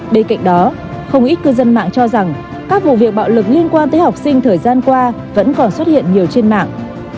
bên cạnh đó không ít cư dân mạng cho rằng các vụ việc bạo lực liên quan tới học sinh thời gian qua vẫn còn xuất hiện nhiều trên mạng